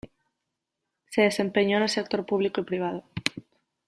Se desempeñó en el sector público y privado.